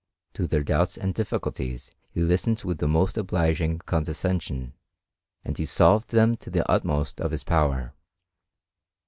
To their doubts and difficulties he listened with the most obliging condescension, and he solved them to the utmost of his power.